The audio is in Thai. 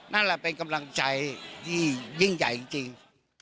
นั่นแหละเป็นกำลังใจที่ยิ่งใหญ่จริง